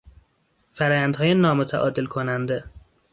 فرآیندهای نامتعادل کننده